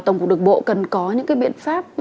tổng cục đường bộ cần có những cái biện pháp